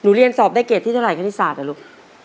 เรียนสอบได้เกรดที่เท่าไคณิตศาสตร์ลูก